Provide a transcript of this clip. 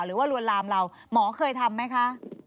หรือว่ารวนลามเราหมอเคยทำไหมคะ